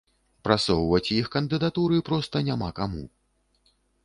Прасоўваць іх кандыдатуры проста няма каму.